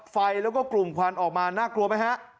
ไฟแล้วก็กลุ่มควันออกมาน่ากลัวไหมฮะ